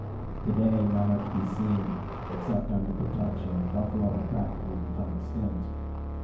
To day none are to be seen. Except under protection, buffalo have practically become extinct.